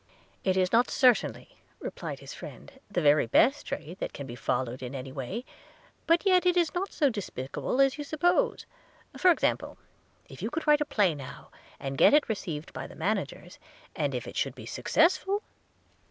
'It is not certainly,' replied his friend, 'the very best trade that can be followed in any way, but yet it is not so despicable as you suppose: – for example, if you could write a play now, and get it received by the managers; and if it should be successful